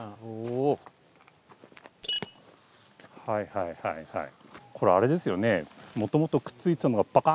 はいはいはい。